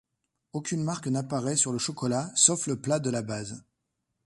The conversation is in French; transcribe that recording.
Aucune marque n’apparaît sur le chocolat sauf le plat de la base.